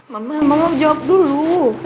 mama mau jawab dulu